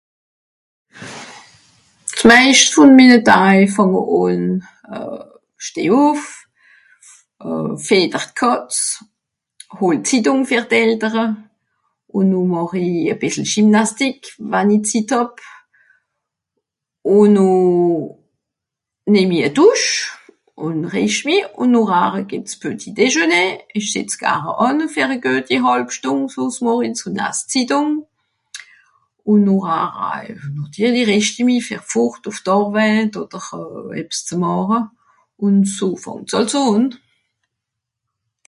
(...) euh... steh ùff, euh... fìtter d'Kàtz, hol d'Zittùng fer d'Eltere, ùn noh màch i e bìssel Gymnastique, wann i Zitt hàb. Ùn noh nemm i e Dùsch ùn rìscht mi ùn nochhar gìbbt's petit Déjeuner, ìch sìtz gare ànne fer güeti hàlb Stùnd z'morjets ùn laas Zittùng. Ùn nochhar nàtirli rìscht i mi fer fùrt ùf d'Àrweit odder ebbs ze màche (...).